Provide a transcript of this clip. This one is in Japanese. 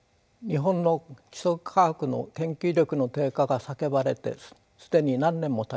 日本の基礎科学の研究力の低下が叫ばれて既に何年もたちました。